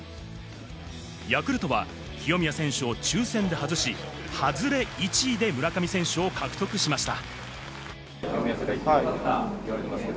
ヤクルトは清宮選手を抽選で外し、ハズレ１位で村上選手を獲得しました。